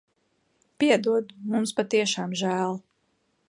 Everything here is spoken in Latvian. Piedod. Mums patiešām žēl.